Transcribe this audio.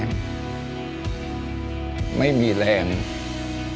หนูอยากให้พ่อกับแม่หายเหนื่อยครับ